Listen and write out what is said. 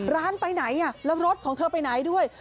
ร้านไปไหนแล้วรถของเธอไปไหนด้วย